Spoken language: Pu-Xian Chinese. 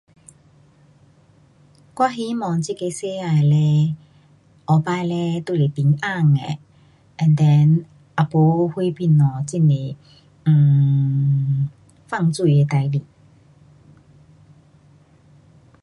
我希望这个世界嘞，后次嘞都是平安的，and then 也没啥东西很多 um 犯罪的事情。